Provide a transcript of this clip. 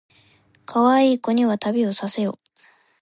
かわいい子には旅をさせよ